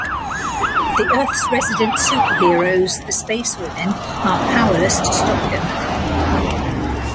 The Earth's resident superheroes, the Spacewomen, are powerless to stop him.